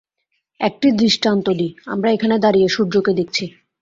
একটি দৃষ্টান্ত দিই আমরা এখানে দাঁড়িয়ে সূর্যকে দেখছি।